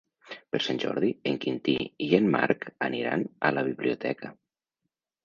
Per Sant Jordi en Quintí i en Marc aniran a la biblioteca.